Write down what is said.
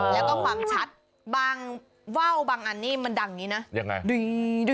แล้วก็ความชัดบางว่าวบางอันนี้มันดังอย่างนี้นะยังไง